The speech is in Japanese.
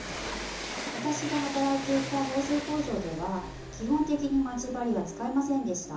私が働いていた縫製工場では基本的に待ち針は使いませんでした。